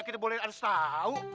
kita boleh anes tau